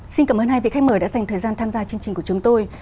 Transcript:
xin cảm ơn hai vị khách mời đã dành thời gian tham gia chương trình của chúng tôi